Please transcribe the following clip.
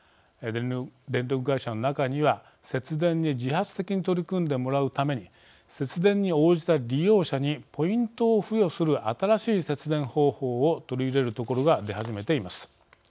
電力会社の中には、節電に自発的に取り組んでもらうために節電に応じた利用者にポイントを付与する新しい節電方法を取り入れるところが出始めています。